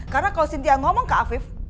karena kalau cynthia ngomong ke afif